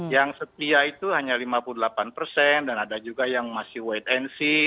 yang setia itu hanya lima puluh delapan persen dan ada juga yang masih wait and see